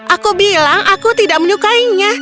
aku bilang aku tidak menyukainya